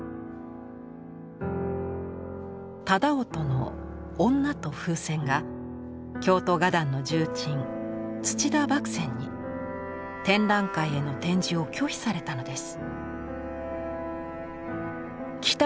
楠音の「女と風船」が京都画壇の重鎮土田麦僊に展覧会への展示を拒否されたのです。